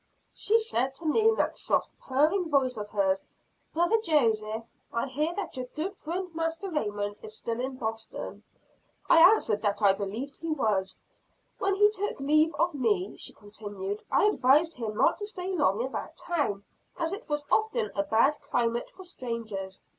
"She said to me, in that soft purring voice of hers, 'Brother Joseph, I hear that your good friend Master Raymond is still in Boston.' I answered that I believed he was. 'When he took leave of me,' she continued, 'I advised him not to stay long in that town as it was often a bad climate for strangers.